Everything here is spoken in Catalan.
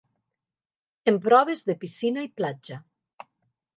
En proves de piscina i platja.